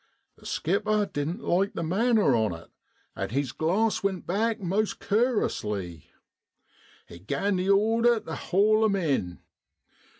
The skipper didn't like the manner on it, and his glass went back most cur'ously; he gan the order tu haul 'em in.